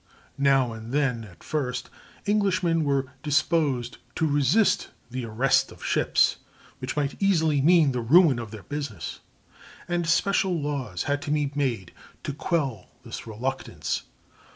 Now and then, at first, Englishmen were disposed to resist the "arrest" of ships, which might easily mean the ruin of their business; and special laws had to be made to quell this reluctance.